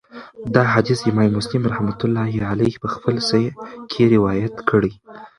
دا حديث امام مسلم رحمه الله په خپل صحيح کي روايت کړی